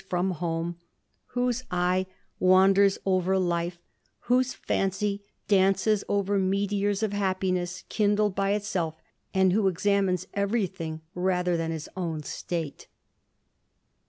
from home, whose eye wanders I 300 THE IDLER. over life, whose fancy dances over meteors of happiness kindled by itself, and who examines every thing rather than — his own state.